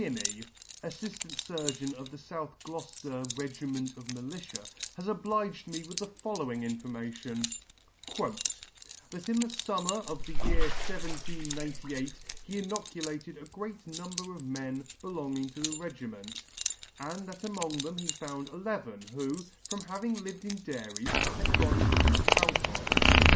C 127 1 Mr. Tierny, Afliftant Surgeon of the South Glouceller Regi ment of Militia, has obliged me with the following information :" That in the fummer of the year 1798, he inoculated a great number of the men belonging to the Regiment, and that among them he found eleven, who, from having lived in dairies, had gone through the Cow Pox.